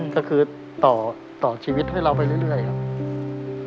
ก็คือต่อชีวิตให้เราไปเรื่อยครับ